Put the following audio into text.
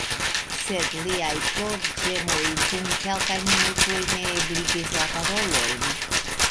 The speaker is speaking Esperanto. Sed liaj plorĝemoj dum kelkaj minutoj neebligis la parolojn.